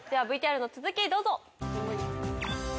ＶＴＲの続きどうぞ。